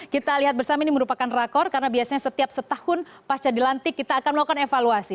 kita lihat bersama ini merupakan rakor karena biasanya setiap setahun pasca dilantik kita akan melakukan evaluasi